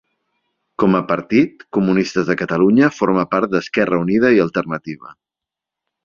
Com a partit, Comunistes de Catalunya forma part d'Esquerra Unida i Alternativa.